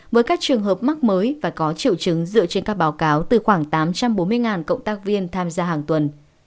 với các trường hợp mắc mới và có triệu chứng dựa trên các báo cáo từ khoảng tám trăm bốn mươi cộng tác viên tham gia hàng tuần